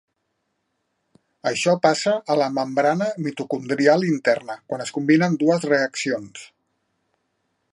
Això passa a la membrana mitocondrial interna quan es combinen dues reaccions.